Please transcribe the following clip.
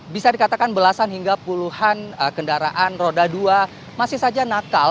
bisa dikatakan belasan hingga puluhan kendaraan roda dua masih saja nakal